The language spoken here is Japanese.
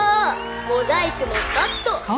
モザイクもカット！」